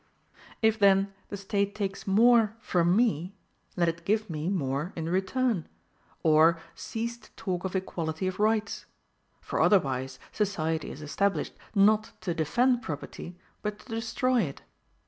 If, then, the State takes more from me, let it give me more in return, or cease to talk of equality of rights; for otherwise, society is established, not to defend property, but to destroy it.